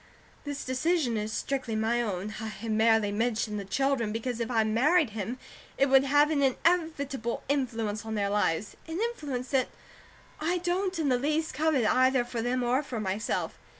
This decision is strictly my own. I merely mention the children, because if I married him, it would have an inevitable influence on their lives, an influence that I don't in the least covet either for them or for myself.